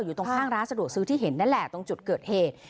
อยู่ตรงข้างร้านสะดวกซื้อที่เห็นนั่นแหละตรงจุดเกิดเหตุ